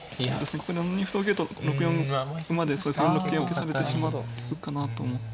ここ７二歩と受けると６四馬で４六桂を消されてしまうかなと思って。